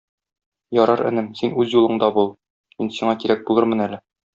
Ярар, энем, син үз юлыңда бул, мин сиңа кирәк булырмын әле.